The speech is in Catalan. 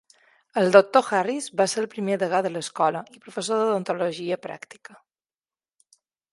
El doctor Harris va ser el primer degà de l'escola i professor d'odontologia pràctica.